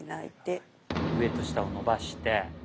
上と下を伸ばして。